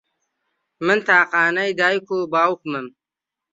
من تاقانەی دایک و باوکمم.